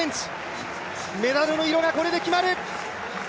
メダルの色がこれで決まる。